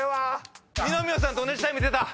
二宮さんと同じタイム出た！